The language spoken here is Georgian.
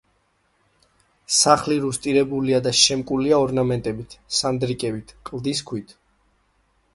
სახლი რუსტირებულია და შემკულია ორნამენტებით, სანდრიკებით, კლდის ქვით.